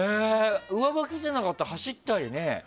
上履きじゃなかったら走ったりね。